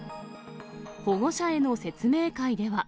保護者への説明会では。